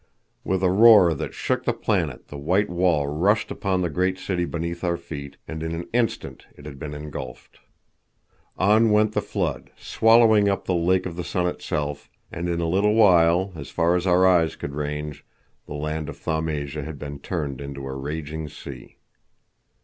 With a roar that shook the planet the white wall rushed upon the great city beneath our feet, and in an instant it had been engulfed. On went the flood, swallowing up the Lake of the Sun itself, and in a little while, as far as our eyes could range, the land of Thaumasia had been turned into a raging sea.